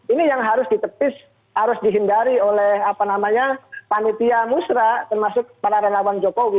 ini yang harus ditepis harus dihindari oleh panitia musrah termasuk para relawan jokowi